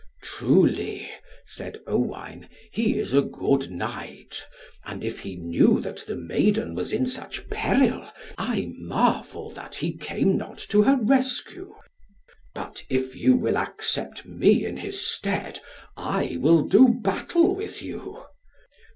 "Truly," said Owain, "he is a good knight, and if he knew that the maiden was in such peril, I marvel that he came not to her rescue. But if you will accept me in his stead, I will do battle with you."